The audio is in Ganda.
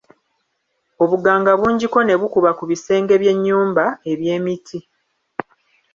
Obuganga bungiko ne bukuba ku bisenge by'ennyumba eby'emiti.